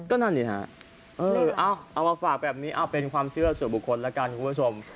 ก็นั่นดีเอามาฝากแบบนี้เป็นความเชื่อสู่บุคคลละกันคุณผู้ชม